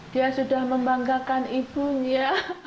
dia sudah membanggakan ibunya